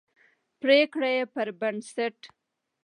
پرېکړې پربنسټ